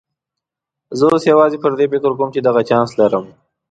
زه اوس یوازې پر دې فکر کوم چې دغه چانس لرم.